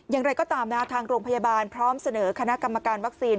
อย่างไรก็ตามนะทางโรงพยาบาลพร้อมเสนอคณะกรรมการวัคซีน